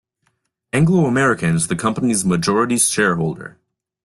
Anglo American is the company's majority shareholder.